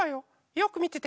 よくみてて。